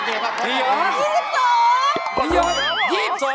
มีแล้วในรถเกมครับ